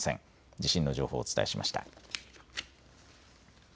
地震の情報をお伝えしました。